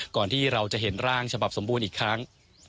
ก่อนที่เราจะเห็นร่างฉบับสมบูรณ์อีกครั้ง